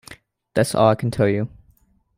That's all I can tell you.